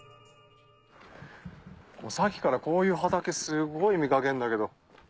さっきからこういう畑すごい見掛けるんだけど。